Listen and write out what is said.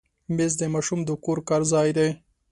مېز د ماشوم د کور کار ځای دی.